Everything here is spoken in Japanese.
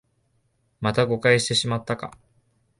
また誤解してしまったか